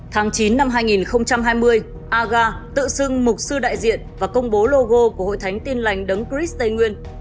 tháng chín năm hai nghìn hai mươi aga tự xưng mục sư đại diện và công bố logo của hội thánh tin lành đấng chris tây nguyên